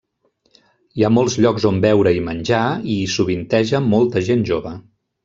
Hi ha molts llocs on beure i menjar i hi sovinteja molta gent jove.